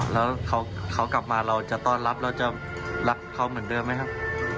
แล้วเขากลับมาเราจะต้อนรับเราจะรักเขาเหมือนเดิมไหมครับ